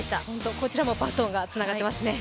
こちらもバトンがつながっていますね。